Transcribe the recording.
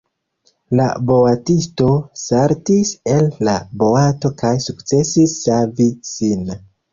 La boatisto saltis el la boato kaj sukcesis savi sin.